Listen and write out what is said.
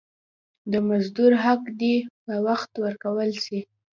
د مزدور حق دي پر وخت ورکول سي.